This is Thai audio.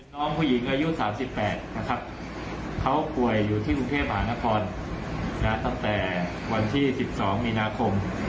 น้องผู้หญิงอายุ๓๘นะครับเขาป่วยอยู่ที่กรุงเทพหานครตั้งแต่วันที่๑๒มีนาคม